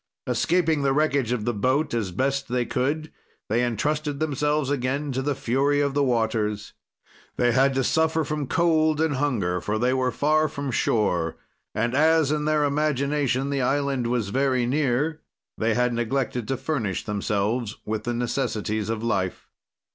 "Escaping the wreckage of the boat as best they could, they entrusted themselves again to the fury of the waters. "They had to suffer from cold and hunger, for they were far from shore, and as, in their imagination, the island was very near, they had neglected to furnish themselves with the necessities of life.